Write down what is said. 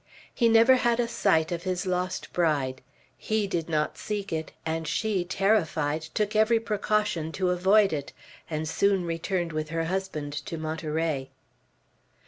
He never had a sight of his lost bride. He did not seek it; and she, terrified, took every precaution to avoid it, and soon returned with her husband to Monterey.